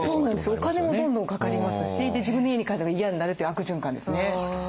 お金もどんどんかかりますしで自分の家に帰るのが嫌になるという悪循環ですね。